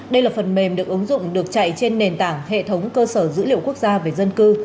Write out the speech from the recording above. đây là phần mềm được ứng dụng được chạy trên nền tảng hệ thống cơ sở dữ liệu quốc gia về dân cư